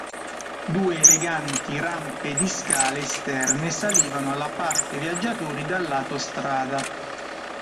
Due eleganti rampe di scale esterne salivano alla parte viaggiatori dal lato strada.